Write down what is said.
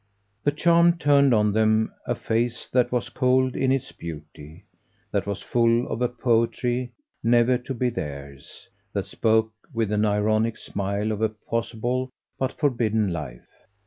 The charm turned on them a face that was cold in its beauty, that was full of a poetry never to be theirs, that spoke with an ironic smile of a possible but forbidden life.